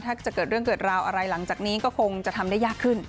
ถ้าจะเกิดเรื่องเกิดราวอะไรหลังจากนี้ก็คงจะทำได้ยากขึ้น